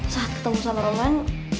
saat ketemu sama roman